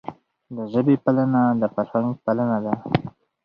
د ژبي پالنه د فرهنګ پالنه ده.